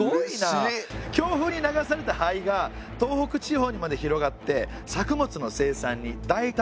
強風に流されたはいが東北地方にまで広がって作物の生産にだいだ